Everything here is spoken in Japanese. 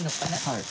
はい。